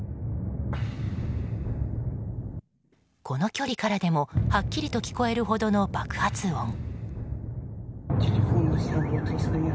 この距離からでもはっきりと聞こえるほどの爆発音。